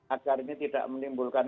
agar ini tidak menimbulkan